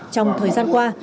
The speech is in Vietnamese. trong thời gian qua